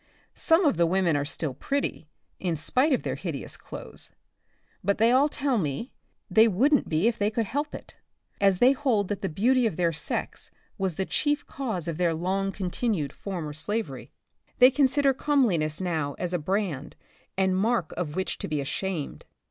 Some of the women are still pretty, in spite of their hideous clothes. But they all tell me, they wouldn't be if they could help it, as they hold that the beauty of their sex was the chief cause of their long continued former slavery. They consider comeliness now as a brand and mark of which to be ashamed.